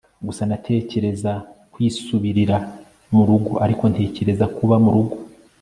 gusa natekereza kwisubirira murugo ariko ntekereza kuba murugo